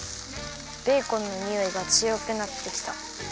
ベーコンのにおいがつよくなってきた。